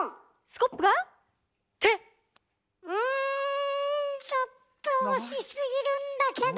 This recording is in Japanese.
うんちょっと惜しすぎるんだけど。